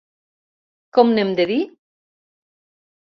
Com n’hem de dir?